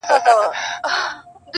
څه به زر کلونه د خیالي رستم کیسه کوې-